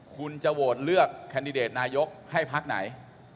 คุณจะโหวตเลือกแคนดิเดตนายกให้พักไหน